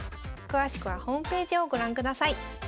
詳しくはホームページをご覧ください。